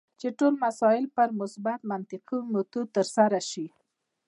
چې ټول مسایل په مثبت منطقي میتود ترسره شي.